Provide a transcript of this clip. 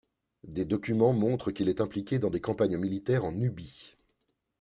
Des documents montrent qu'il est impliqué dans des campagnes militaires en Nubie.